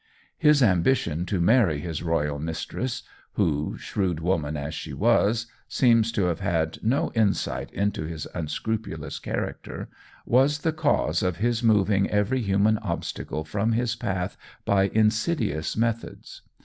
His ambition to marry his royal mistress, who, shrewd woman as she was, seems to have had no insight into his unscrupulous character, was the cause of his moving every human obstacle from his path by insidious methods.